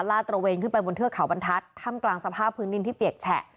ตระเวนขึ้นไปบนเทือกเขาบรรทัศน์ถ้ำกลางสภาพพื้นดินที่เปียกแฉะ